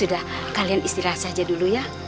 sudah kalian istirahat saja dulu ya